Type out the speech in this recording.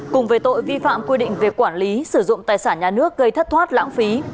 cùng về tội vi phạm quy định về quản lý sử dụng tài sản nhà nước gây thất thoát lãng phí